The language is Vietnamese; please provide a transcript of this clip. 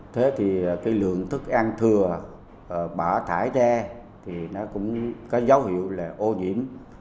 thế thì cái lượng thức ăn thừa bỏ thải ra thì nó cũng có dấu hiệu là ô nhiễm